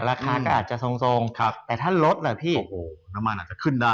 ราคาก็อาจจะทรงแต่ถ้าลดเหรอพี่โอ้โหน้ำมันอาจจะขึ้นได้